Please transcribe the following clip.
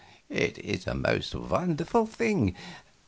"It is the most wonderful thing!"